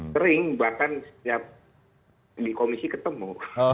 sering bahkan setiap di komisi ketemu